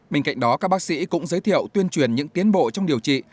bên cạnh đó các bác sĩ cũng giới thiệu tuyên truyền những tiến bộ trong điều trị